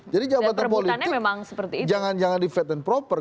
jadi jabatan politik jangan di fit and proper